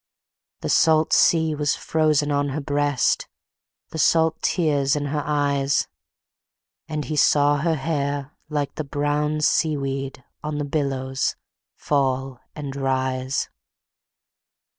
The salt sea was frozed on her breast, The salt tears in her eyes; And he saw her hair, like the brown sea weed, On the billows fall and rise.